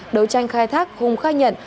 đối tranh khai thác không khai nhận